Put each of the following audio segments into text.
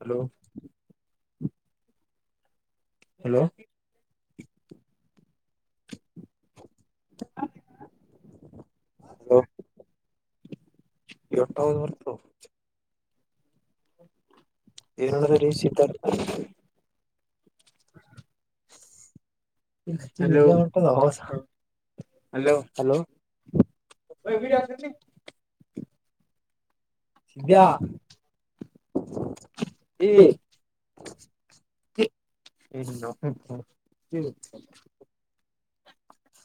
Hello hello hello ಎಡ್ೌ ಬರ್ತ ಏನಡದ [unintelligible] ಟ ಹ ಹಲೋಡ ಸಿಿದ ಹ ನ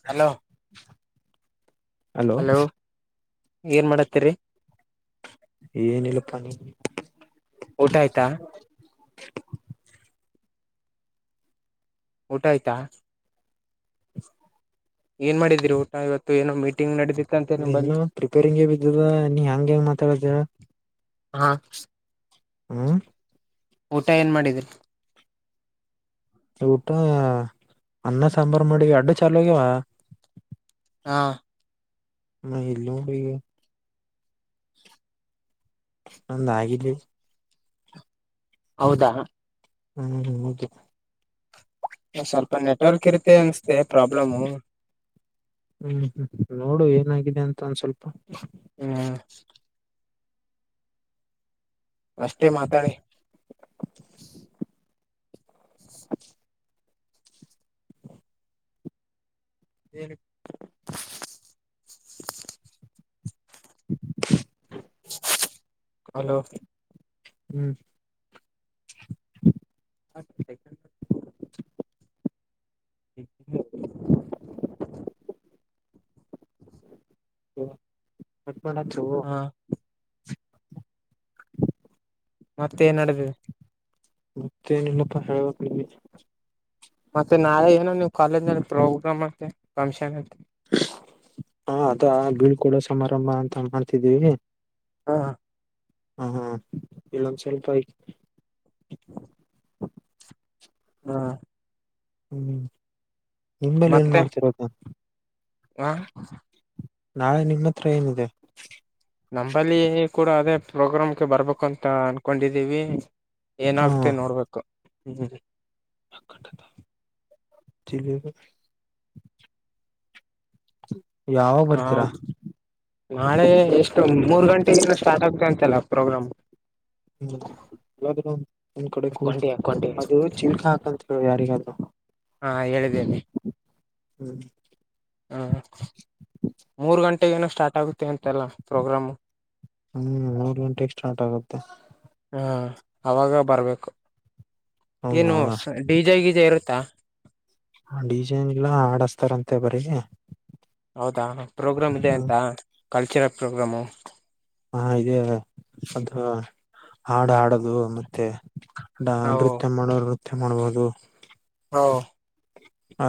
ಹಲೋ ಹಲೋ ಏನ್ ಮಾಡತ್ತೀರಿ ಏನಲ್ಲಕ್ಕ ನೀ ಊಟಾಯತಾ ಊಟಾಯತಾ [unintelligible] ಏನ್ ಮಾಡಿದಿರಿ ಊಟ ಇವತ್ತು ಏನ ಮೀಟಿಂಗ್ ನಡೆದಿದ ಇ ಇನ್ನು ಪ್ರಿಪೇರಿಂಗೇ ಬಿದ್ದದ ನೀ ಹೆಂಗಗೆ ಹೆಂಗ್ ಮಾತಾಡದ ಹಾ ಹ ಊಟ ಏನ್ ಮಾಡಿದ್ರಿ ಊಟ ಅನ್ನ ಸಾಂಬಾರ್ ಮಾಡಿಗೆ ಅಡ್ಡು ಚಲ್ಗ್ಯವಾ ಹಾ ನ ಹಲ್ಲ ಬಗ ಒಂದ ಆಗಿಲಿ ಹೌದಾ ಹ್ಮ್ ಹ ಹೌದು ಸ್ವಲ್ಪ ನೆಟ್ವರ್ಕ್ ಇರುತ್ತೆ ಅನಸ್ತೆ ಪ್ರಾಬ್ಲಮು ಹ್ಮ್ ಹ್ಮ್ ನೋಡು ಏನಾಗಿದೆ ಅಂತ ಒಂದ ಸ್ವಲ್ಪ ಹ್ಮ್ ಅಷ್ಟೇ ಮಾತಾಡಿ ಏನು [unintelligible] ಹಲೋ ಹ್ಮ್ ಹಕ ಹ್ಮ [unintelligible] ಮಪಣ ಜವ ಮತ್ತೇ ನಡದೇವಿ ಮತ್ತೆೇನನಪ್ಪಾ ಹೇಳ್ಬೇಕಕ್ ನಿಮಗೆ ಕಾಲೇಜ್ ನಲ್ಲಿ ಪ್ರೋಗ್ರಾಮ್ ಇತ್ತೆ ಫಂಕ್ಷನ್ ಅತ್ತೆ ಹಾ ಅದ ಬೀಳ್ ಕೂಡ ಸಮಾರಂಭ ಅಂತ ಮಾಡ್ತಿದ್ದೀವಿ ಹಾ ಹ ಹಾ ಹಾ ಇಲ್ಲೊಂದ ಸ್ವಲ್ಪ ಹ್ಮ ಹ್ಮ್ ನಿಮ್ಮಲ್ಲಿ ಏನ್ ಮಾಡ್ತಿರದ ನಾಳೆ ನಿಮ್ಮ ಹತ್ರ ಏನಿದೆ ನಂಬಲ್ಲಿ ಕೂಡ ಅದೇ ಪ್ರೋಗ್ರಾಮ್ಗೆ ಬರ್ಬೇಕಂತ ಅನ್ಕೊಂಡಿದೀವಿ ಏನಾಗತೆ ನೋಡ್ಬೇಕು ಹ್ಮ ತಿ ಹಾ ನಾಳೆ ಎಷ್ಟು ಮೂರ್ ಗಂಟೆ ಏನು ಸ್ಟಾರ್ಟ್ ಆಗ್ತ ಅಂತೆಲ್ಲ ಪ್ರೋಗ್ರಾಮ ಹ್ಮ್ ದ್ರೂ ಒಂದ್ ಕಡೆ ಕೂತ್ ಅದು ಚಿಲ್ಕ ಹಾಕಂತ ಹೇಳ ಯಾರಿಗದು ಹೇಳಿದ್ದೇನೆ ಹ್ಮ್ ಏನೋ ಸ್ಟಾರ್ಟ್ ಆಗುತ್ತೆ ಅಂತೆಲ್ಲ ಪ್ರೋಗ್ರಾಮ್ ಹ್ಮ್ ಮೂರ್ ಗಂಟೆ ಎಷ್ಟ ನೋಟ ಆಗುತ್ತೆ ಹಾ ಅವಾಗ ಬರ್ಬೇಕು ಏನು ಡಿಜೆ ಗೀಜೆ ಇರುತ್ತಾ ಡೀಜೈನ್ಲ ಹಾಡಸ್ತಾರಂತೆ ಬರೀ ಹೌದಾ ಪ್ರೋಗ್ರಾಮ್ ಇದೆ ಅಂತ ಕಲ್ಚರಲ್ ಪ್ರೋಗ್ರಾಮು. ಹ ಇದೆ ಅದು ಹಾಡು ಹಾಡದು ಮತ್ತೆ ಡ ನೃತ್ಯ ಮಾಡೋ ನೃತ್ಯ ಮಾಡ್ಬಹುದು [unintelligible] ಆ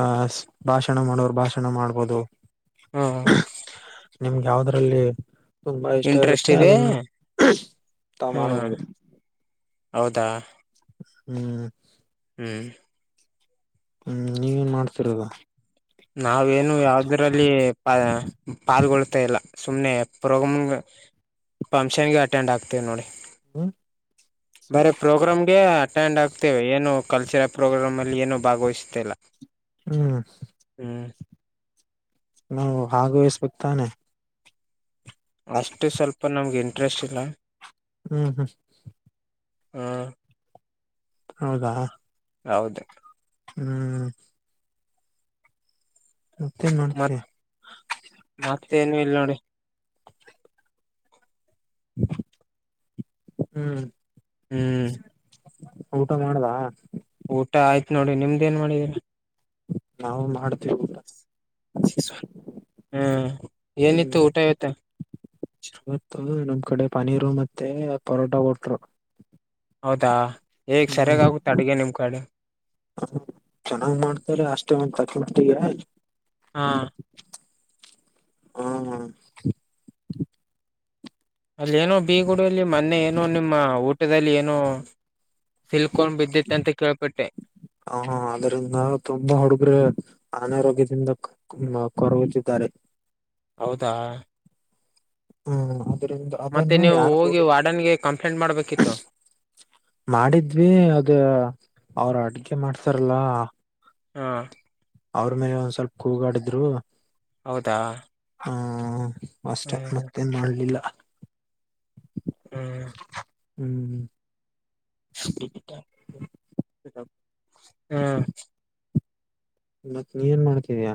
ಭಾಷಣ ಮಾಡೋರು ಭಾಷಣ ಮಾಡ್ಬೋದು. ಹ್ಮ ನಿಮ್ಗೆ ಯಾವದ್ರಲ್ಲಿ ತುಂಬಾ ಇಷ್ಟ ಇರುತ್ತೆ ಅದನ್ನ ತಾವ ಮಾಡಬಹುದು ಹೌದಾ ಹ್ಮ್ ಹ್ಮ್ ಹ್ಮ್ ನೀವೇನ್ ಮಾಡ್ತಿರದ. ನಾವೇನು ಯಾವದ್ರಲ್ಲಿ ಪ ಪಾಲ್ಗೊಳ್ತಾ ಇಲ್ಲ ಸುಮ್ನೆ ಪ್ರೋಗ್ರಾಮ [unintelligible] ಫಂಕ್ಷನ್ ಗೆ ಅಟೆಂಡ್ ಆಗ್ತವಿ ನೋಡಿ ಹ್ಮ ಬರೇ ಪ್ರೋಗ್ರಾಮ್ಗೆ ಅಟೆಂಡ್ ಆಗ್ತೇವೆ ಏನು ಕಲ್ಚರ ಪ್ರೋಗ್ರಾಮಲ್ಲಿ ಏನೂ ಭಾಗವಹಿಸುತ್ತಿಲ್ಲ. ಹ್ಮ್ ಹ್ಮ್ ನಾವ ಭಾಗವಹಿಸ್ಬೇಕ್ ತಾನೇ ಅಷ್ಟು ಸ್ವಲ್ಪ ನಮ್ಗೆ ಇಂಟ್ರೆಸ್ಟ್ ಇಲ್ಲ ಹ್ಮ್ ಹ್ಮ್ ಆ ಹೌದಾ ಹೌದ ಹ್ಮ್ ಮತ್ತೆ ನೋಡ್ತ ಮತ್ತೆ ನ ಇಲ್ಲ ನೋಡಿ. ಹ್ಮ್ ಹ್ಮ್ ಊಟ ಮಾಡದಾ ಊಟ ಆಯ್ತ್ ನೋಡಿ ನಿಮ್ದ ಏನ್ ಮಾಡಿದೀರ. ನಾವು ಮಾಡ್ತೇವ ಊಟಾ ಹ್ಮ್ ಏನಿತ್ತು ಊಟ ಇವತ್ತ ಇವತ್ತು ನಮ್ ಕಡೆ ಪನೀರು ಮತ್ತೆ ಪರೋಟಾ ಕೋಟ್ರು ಹೌದಾ ಹೇಗ್ ಮಾಡ ಚೆನ್ನಾಗ್ ಮಾಡ್ತಾರೆ ಅಷ್ಟೇ ಒಂದ [unintelligible] ಹಾ ಹ್ಮ ಹಾ ಅಲ್ಲ ಏನೋ ಬೀಗುಡು ಅಲ್ಲಿ ಮೊನ್ನೆ ಏನೋ ನಿಮ್ಮ ಊಟದಲ್ಲಿ ಏನೋ ಹ ಅದ್ರಂದ ತುಂಬಾ ಹುಡುಗ್ರ ಅನಾರೋಗ್ಯದಿಂದ ಕೊರಗುತ್ತಿದ್ದಾರೆ. ಹೌದಾ ಹ್ಮ್ ಮತ್ತೆ ನೀವು ಹೋಗಿ ವಾರ್ಡನ್ಗೆ ಕಂಪ್ಲೇಂಟ್ ಮಾಡ್ಬೇಕಿತ್ತು ಮಾಡಿದ್ವಿ ಅದ ಅವ್ರ ಅಡ್ಗೆ ಮಾಡ್ತಾರಲ್ಲಾ ಹಾ ಅವ್ರ ಮೇಲೆ ಒಂದ್ ಸ್ವಲ್ಪ ಕೂಗಾಡಿದ್ರು ಹ್ಮ ಮಸ್ಟ ಮತ್ತೆ ನೋಡ್ಲಿಲ್ಲ ಹ್ಮ್ ಹ್ಮ್ ಹ್ಮ್ ಹ್ಮ್ ಮತ್ ನೀವ ಏನ್ ಮಾಡ್ತಧಿಯಾ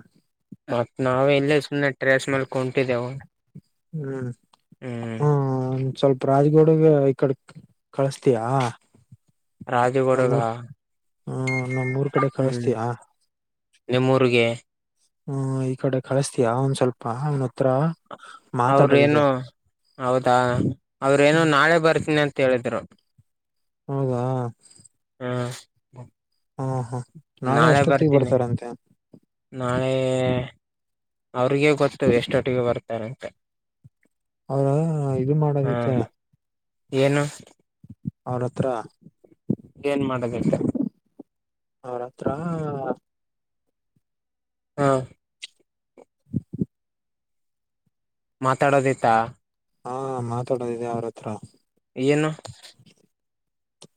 ಮತ್ತ್ ನಾವ ಎಲ್ಲ ಸುಮ್ಮನೆ ಟ್ರೇಸ್ ಮಲ್ಕಟಿದ್ದೇವು ಹ್ಮ್ ಹ್ಮ ಸ್ವಲ್ಪ ರಾಜ್ಗೋಡಗೆ ಈ ಕಡೆ ಕಳಸ್ತಯಾ ರಾಜುಗೌಡಗ ಹ್ಮ ನಮೂರ್ ಕಡೆ ಕಳಸ್ತಯಾ ನಿಮ್ಮೂರಿಗೆ ಹ್ಮ ಈ ಕಡೆ ಕಳಸ್ತಯ ಅವನ್ ಸ್ವಲ್ಪ ಅವನತ್ರ ಅವ್ರೇಏನು ಹೌದಾ ಅವ್ರೇಏನು ನಾಳೆ ಬರ್ತೀನಿ ಅಂತ ಹೇಳಿದ್ರು ಹ್ಮ್ ಹ್ಮ್ ಹಾ ಹಾ ನಾಳೆ ಎಷ್ಟೊತ್ತಿಗೆ ಬರ್ತಾರಂತೆ ನಾಳೆ ಅವ್ರಿಗ ಗೊತ್ತು ಎಷ್ಟೊಟ್ಟಿಗೆ ಬರ್ತಾರೆ ಅಂತ ಅವ್ರ ಇದು ಮಾಡದೈತ್ತ ಏನು ಅವರತ್ರ ಏನ್ ಮಾಡದ್ರ ಅವ್ರತ್ರ ಹಾ ಮಾತಾಡೋ ದತ ಹಾ ಮಾತಾಡೋದಿದೆ ಅವ್ರ ಹತ್ರ ಏನು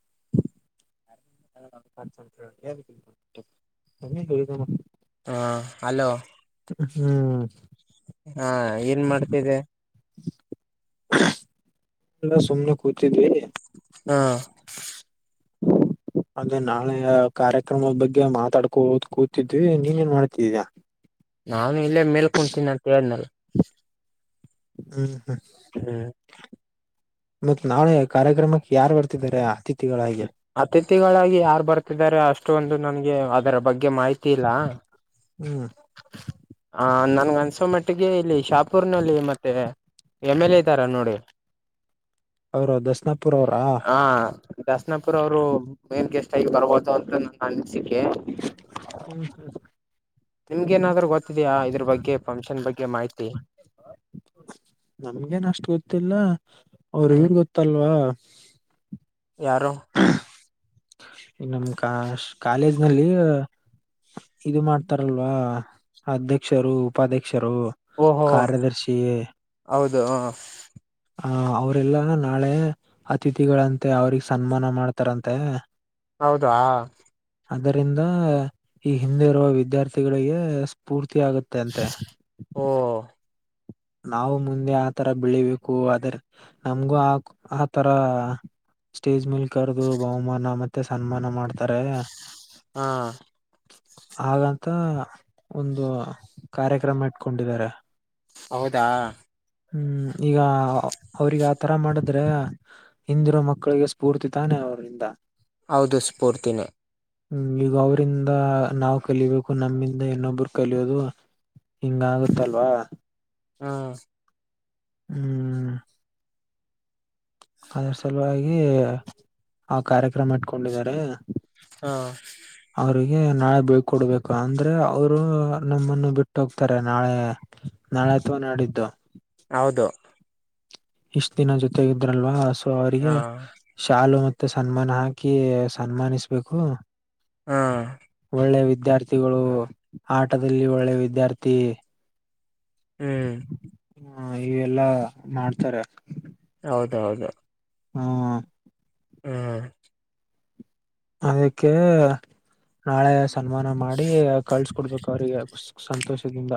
[inaudible] ಹಾ ಹಲೋ ಹ್ಮ್ ಹಾ ಏನ್ ಮಾಡ್ತಿದೆ [inaudible] ಹ್ಮ ಅಲ್ಲ ಸುಮನೆ ಕೂತಿದ್ದ ಹಾ [inaudible] ಅದೇ ನಾಳೆ ಕಾರ್ಯಕ್ರಮದ ಬಗ್ಗೆ ಮಾತಾಡ್ಕೋದ ಕೂತಿದ್ವಿ ನೀನ್ ಏನ್ ಮಾಡ್ತಿದಯ ಹ್ಮ್ ಹಾ ಮತ್ತತ್ ನಾಳೆ ಕಾರ್ಯಕ್ರಮಕ್ಕೆ ಯಾರ್ ಬರ್ತಿದಿದ್ದಾರೆ ಆತಿ ಅತಿಥಿಗಳಾಗಿ ಯಾರು ಬರ್ತಿದ್ದಾರೆ ಅಷ್ಟು ಒಂದು ನನ್ಗೆ ಅದರ ಬಗ್ಗೆ ಮಾಹಿತಿ ಇಲ್ಲ ಹ್ಮ್ ನ ಅನ್ಸೋ ಮಟ್ಟಿಗೆ ಇಲ್ಲಿ ಶಾಪುರ್ ನಲ್ಲಿ ಮತ್ತೆ ಎಮ್ ಎಲ್ ಎ ಇದ್ದಾರ ನೋಡಿ ಅವೌರ ದಸನಾಪುರ ಅವ್ರಾ ದಾಸನಪುರ ಅವರು ಮೇನ್ ಗೆಸ್ಟ್ ಆಗಿ ಬರಬಹದು ಅಂತ ನ ಅಿಸ ಹ್ಮ್ ಹ್ಮ್ ನಿಮ್ಗೆ ಏನಾದ್ರೂ ಗೊತ್ತಿದಯಾ ಇದ್ರ ಬಗ್ಗೆ ಫಂಕ್ಷನ್ ಬಗ್ಗೆ ಮಾಹಿತಿ ನಮ್ಗೇನ್ ಅಷ್ಟ್ ಗೊತ್ತಿಲ್ಲ ಅವ್ರ ಇವ್ರ ಗೊತ್ತಲ್ವಾ ಯಾರೋ ನಮ್ ಕಾ ಕಾಲೇಜ್ ನಲ್ಲಿ ಇದು ಮಾಡ್ತಾರಲ್ವಾ ಅಧ್ಯಕ್ಷರು ಉಪಾಧ್ಯಕ್ಷ. ಅಕ್ಷರು ಕಾರ್ಯದರ್ಶಿ. ಹೌದೋ. ಹ ಅವರೆಲ್ಲಾ ನಾಳೆ ಅತಿಥಿಗಳಂತೆ ಅವ್ರಿಗ್ ಸನ್ಮಾನ ಮಾಡ್ತಾರಂತೆ. ಹೌದಾ. ಅದರಿಂದ ಈ ಹಿಂದೆ ಇರುವ ವಿದ್ಯಾರ್ಥಿಗಳಿಗೆ ಸ್ಫೂರ್ತಿ. ಆಗುತ್ತೆ ಅಂತೆ.. ನಾವು ಮುಂದೆ ಆತರ ಬೆಳಿಬೇಕು ಆದ್ರ ನಮ್ಗೂ ಆ ಆತರ. ಸ್ಟೇಜ್ ಮೇಲ್ ಕರೆದು ಬಹುಮಾನ ಮತ್ತೆ ಸನ್ಮಾನ ಮಾಡ್ತಾರೆ. ಹಾ. ಹಾಗಂತ ಒಂದು ಕಾರ್ಯಕ್ರಮ ಇಟ್ಕೊಂಡಿದ್ದಾರೆ. ಹೌದಾ. ಹ್ಮ್ ಈಗ ಅವ್ರಗ ಆತರ ಮಾಡಿದ್ರೆ ಹಿಂದಿರೋ ಮಕ್ಕಳಿಗೆ ಸ್ಫೂರ್ತಿ ತಾನೇ. ಅವರಿಂದ. ಹೌದು ಸ್ಫೂರ್ತಿನೇ. ಹ್ಮ ಈಗ ಅವ್ರಂದ ನಾವ್ ಕಲಿಬೇಕು ನಮ್ಮಿಂದ ಇನ್ನೊಬ್ಬರು ಕಲಿಯೋದು ಹಿಂಗಾಗುತ್ತಲ್ವಾ. ಹಾ. ಹ್ಮ್. ಅದ್ರ ಸಲುವಾಗಿ ಆ ಕಾರ್ಯಕ್ರಮ ಇಟ್ಕೊಂಡಿದ್ದಾರೆ. ಹಾ. ನಾಳೆ ಬೀಳ್ಕೊಡ್ಬೇಕು ಅಂದ್ರೆ ಅವರು ನಮ್ಮನ್ನು ಬಿಟ್ಟು ಹೋಗ್ತಾರೆ ನಾಳೆ ನಾಳೆ. ಮಹತ್ವ ನಾಡಿದ್ದು. ಹೌದು. ಇಷ್ಟ ದಿನ ಜೊತೆಗ ಇದ್ರಲ್ವಾ ಸೊ ಅವರಿಗೆ ಶಾಲು ಮ. ಸನ್ಮಾನ ಹಾಕಿ ಸನ್ಮಾನಿಸ್ಬೇಕು ಒಳ್ಳೆ ವಿದ. ವಿದ್ಯಾರ್ಥಿಗಳು ಆಟದಲ್ಲಿ ಒಳ್ಳೆ ವಿದ್ಯಾರ್ಥಿ. ಹ್ಮ್. ಹಾ ಇವೆಲ್ಲಾ ಮಾಡ್ತಾರೆ. ಹೌದ ಹೌದು. ಹಾ. ಹ್ಮ್. ಅದಕ್ಕೆ ನಾಳೆ ಸನ್ಮಾನ ಮಾಡಿ ಕಳ್ಸ್ಕೊಡ್ಬೇಕು ಅವ್ರಿಗೆ. ಸಂತೋಷದಿಂದ.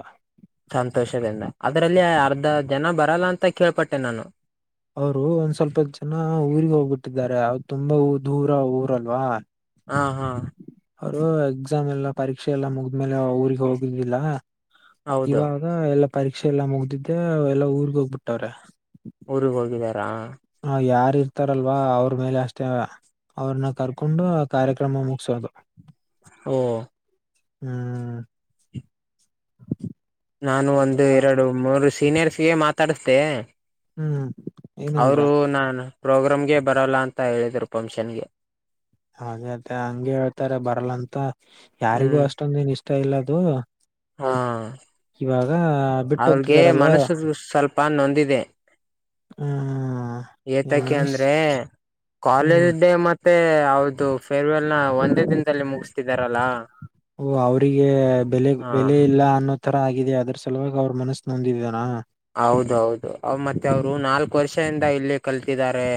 ಸಂತೋಷದಿಂದ ಅದ್ರಲ್ಲಿ ಅರ್ಧ ಜನ ಬರಲ್ಲ ಅಂತ ಕೇಳ್ಪಟ್ಟೆ ನಾನು. ಅವ್ರು ಒಂದ್ ಸ್ವಲ್ಪ ಜನ ಊರಿಗೆ ಹೋಗ್ಬಿಟ್ಟಿದ್ದಾರೆ ಅವ ತುಂಬಾ ದೂರ ಊರಲ್ವಾ. ಹಾ ಹಾ. ಅವರು ಎಕ್ಸಾಮ್ ಎಲ್ಲಾ ಪರೀಕ್ಷೆ ಎಲ್ಲಾ ಮುಗಿದಮೇಲೆ ಊರಿಗೆ ಹೋಗಿದಿಲ್ಲ. ಇವಾಗ ಎಲ್ಲಾ ಪರೀಕ್ಷೆ ಎಲ್ಲ ಮುಗ್ದಿದ್ದೆ ಎಲ್ಲಾ ಊರ್ಗ್ ಹೋಗ್ಬಿಟ್ಟವ್ರೆ. ಊರಿಗೆ ಹೋಗಿದಾರಾ. ಯಾರ ಇರ್ತಾರಲ್ವಾ ಅವ್ರ ಮೇಲೆ ಅಷ್ಟೇ ಅವ್ರನ್ನ ಕರ್ಕೊಂಡು ಕಾರ್ಯಕ್ರಮ ಮುಗಸೋದು. ಹ್ಮ್. ನಾನು ಒಂದು ಎರಡು ಮೂರು ಸೀನಿಯರ್ಸ್ಗೆ ಮಾತಾಡೇಸ್ಡ್ದೇ. ಅವರು ನಾನ ಪ್ರೋಗ್ರಾಮ್ಗೆ ಬರಲ್ಲ ಅಂತ ಹೇಳಿದ್ರು ಫಂಕ್ಷನ್ ಗೆ.. ಹಾಗೇತ ಹಂಗೆ ಹೇಳ್ತಾರೆ ಬರಲ್ಲಂತ ಯಾರಿಗೂ ಅಷ್ಟೊಂದನ್ ಇಷ್ಟ ಇಲ್ಲದು. ಇವಾಗ. ಅವ್ರಿಗೆ ಮನಸ್ಸು ಸ್ವಲ್ಪ ನೊಂದಿದೆ. ಏತಕೆ ಅಂದ್ರೆ ಕಾಲೇಜ್ ಡೇ ಮ. ಮತ್ತೆ ಅವರದು ಫೇರ್ವೆಲ್ ನ ಒಂದೇ ದಿನ. ಓ ಅವ್ರಿಗೆ ಬೆಲೆ ಬೆಲೆ ಇಲ್ಲ ಅನ್ನೋ. ತಥರ ಆಗಿದೆ ಅದ್ರ ಸಲುವಾಗಿ ಅವ್ರ ಮನಸ್ಸು ನಂದಿದಾನ ಕಲ್ತಿದ್ದಾರೆ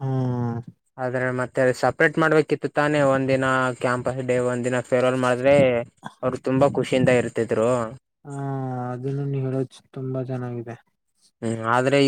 ಹ್ಮ ಆದ್ರೆ ಮತ್ತೆ ಅ ಸಪ್ರೇಟ್ ಮಾಡ್ಬೇಕಿತ್ತು ತಾನೆ ಒಂದಿನ ಕ್ಯಾಂಪಸ್ ಡೇ ಒಂದ್ ದಿನ ಫೇರ್ವೆಲ್ ಮಾಡಿದ್ರೆ ಅವ್ರು ತುಂಬಾ ಖುಷಿಯಿಂದ ಇರ್ತಿದ್ರು ಹಾ ಅದನ್ನು ನೀ ಹೇಳೋದು ತುಂಬಾ ಚೆನ್ನಾಗಿದೆ ಹ್ಮ ಆದ್ರೆ ಈ